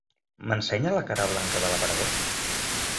M'ensenya la cara blanca de l'aparador?